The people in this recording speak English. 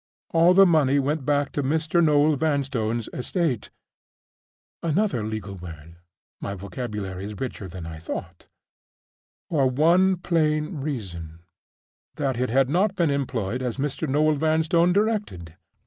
All the money went back to Mr. Noel Vanstone's estate (another legal word! my vocabulary is richer than I thought), for one plain reason—that it had not been employed as Mr. Noel Vanstone directed.